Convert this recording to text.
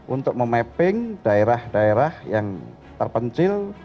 untuk memapping daerah daerah yang terpencil